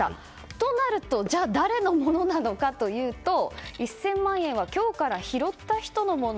となるとじゃあ、誰のものなのかというと１０００万円は今日から拾った人のもの。